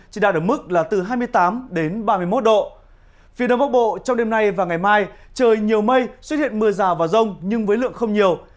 chỉ đạt được mức là từ hai mươi tám đến ba mươi một độ phía nam bắc bộ trong đêm nay và ngày mai trời nhiều mây xuất hiện mưa rào và rông nhưng với lượng không nhiều